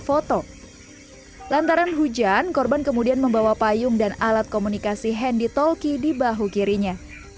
foto lantaran hujan korban kemudian membawa payung dan alat komunikasi handi talki di bahu kirinya